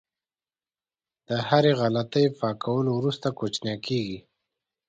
د هرې غلطۍ پاکولو وروسته کوچنی کېږي.